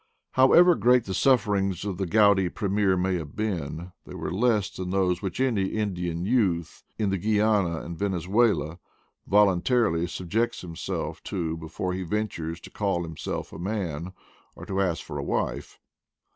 However great the sufferings of the gouty pre mier may have been, they were less than those which any Indian youth in Guiana and Venezuela voluntarily subjects himself to before he ventures to call himself a man, or to ask for a wife.